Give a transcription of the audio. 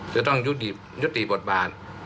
จะต้องยุติบทบาท